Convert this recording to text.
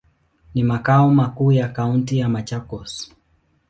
Ni makao makuu ya kaunti ya Machakos.